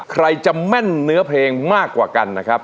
ใครจะแม่นเนื้อเพลงมากกว่ากันนะครับ